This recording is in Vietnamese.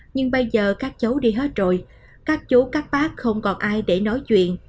nhưng bây giờ các cháu đi hết rồi các chú các bác không còn ai để nói chuyện